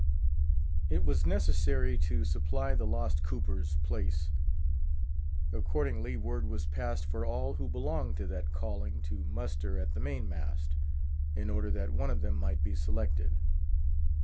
It was necessary to supply the lost cooper's place; accordingly, word was passed for all who belonged to that calling to muster at the main mast, in order that one of them might be selected.